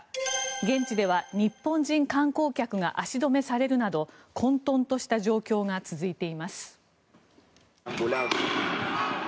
現地では日本人観光客が足止めされるなど混とんとした状況が続いています。